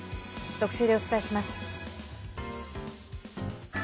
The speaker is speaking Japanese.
特集でお伝えします。